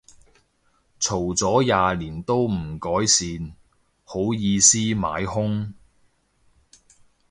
嘈咗廿年都唔改善，好意思買兇